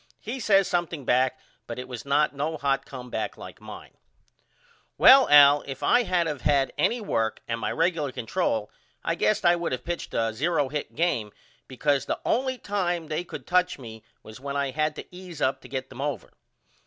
He says something back but it was not no hot comeback like mine. Well Al if I had of had any work and my regular control I guess I would of pitched a 0 hit game because the only time they could touch me was when I had to ease up to get them over.